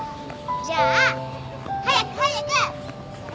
じゃあ早く早く！